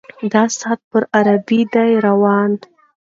د ساعت پر عرابه ده را روانه